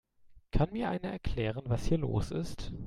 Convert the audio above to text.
Kann mir einer erklären, was hier los ist?